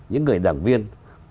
những người đảng viên